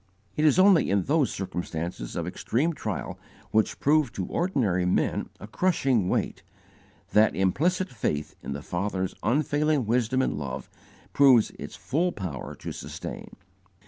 It is only in those circumstances of extreme trial which prove to ordinary men a crushing weight, that implicit faith in the Father's unfailing wisdom and love proves its full power to sustain.